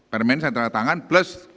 permen saya tanda tangan plus